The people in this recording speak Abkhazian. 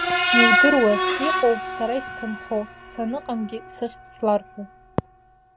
Иудыруаз, иҟоуп сара исҭынхо, саныҟамгьы сыхьӡ зларҳәо…